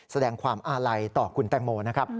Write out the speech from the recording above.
แสดงความอาลัยต่อคุณแตงโมนะครับ